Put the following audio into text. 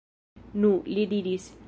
Nu, li diris.